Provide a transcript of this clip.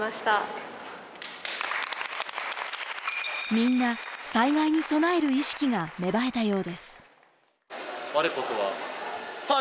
みんな災害に備える意識が芽生えたようです。